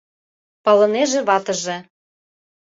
— палынеже ватыже.